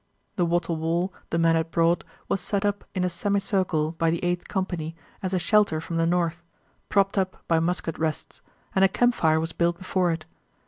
The wattle wall the men had brought was set up in a semicircle by the Eighth Company as a shelter from the north, propped up by musket rests, and a campfire was built before it.